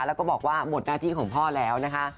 แล้วก็บอกว่าหมดหน้าที่ของพ่อแล้วนะคะ